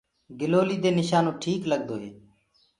گِلوليٚ دي نِشانو ٽيڪ لگدو هي۔